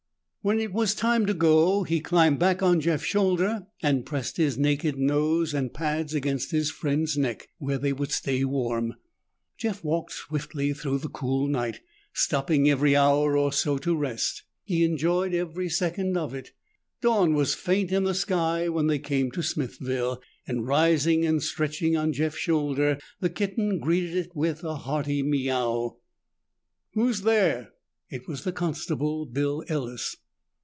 When it was time to go, he climbed back on Jeff's shoulder and pressed his naked nose and pads against his friend's neck, where they would stay warm. Jeff walked swiftly through the cool night, stopping every hour or so to rest. He enjoyed every second of it. Dawn was faint in the sky when they came to Smithville, and rising and stretching on Jeff's shoulder, the kitten greeted it with a hearty miaouw. "Who's there?" It was the constable, Bill Ellis.